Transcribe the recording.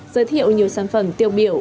giới thiệu nhiều sản phẩm tiêu biểu